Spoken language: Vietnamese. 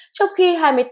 trong khi hai mươi tám